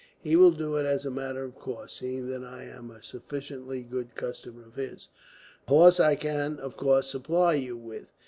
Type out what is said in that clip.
He will do it as a matter of course, seeing that I am a sufficiently good customer of his. "A horse I can, of course, supply you with.